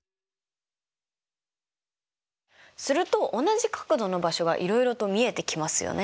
すると同じ角度の場所がいろいろと見えてきますよね？